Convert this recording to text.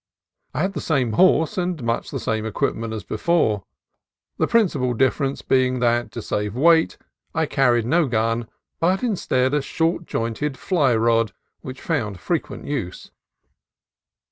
I had the same horse and much the same equip ment as before, the principal difference being that to save weight I carried no gun, but instead a short jointed fly rod (which found frequent use).